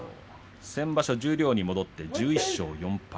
先場所十両に戻って１１勝４敗